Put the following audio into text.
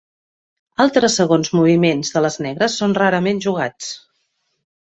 Altres segons moviments de les negres són rarament jugats.